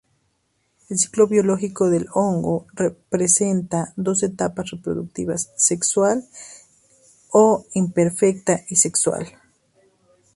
El ciclo biológico del hongo presenta dos etapas reproductivas, asexual o imperfecta y sexual.